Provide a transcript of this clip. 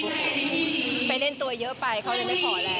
กดอย่างวัยจริงเห็นพี่แอนทองผสมเจ้าหญิงแห่งโมงการบันเทิงไทยวัยที่สุดค่ะ